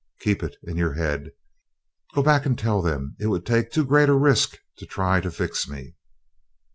Keep it in your head. Go back and tell them it would take too great a risk to try to fix me.